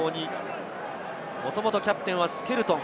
背番号２、もともとキャプテンはスケルトン。